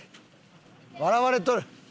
笑われとる。